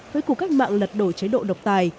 với cuộc cách mạng lật đổ chế độ độc tài